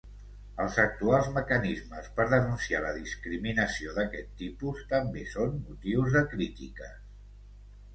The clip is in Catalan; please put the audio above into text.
Els actuals mecanismes per denunciar la discriminació d’aquest tipus, també són motius de crítiques.